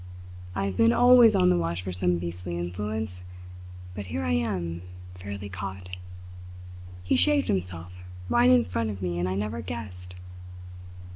I've been always on the watch for some beastly influence, but here I am, fairly caught. He shaved himself right in front of me and I never guessed!"